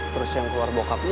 terus yang keluar bokapnya